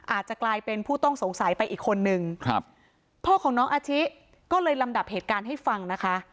อาจจะกลายเป็นผู้ต้องสงสัยไปอีกคนนึงครับพ่อของน้องอาชิก็เลยลำดับเหตุการณ์ให้ฟังนะคะ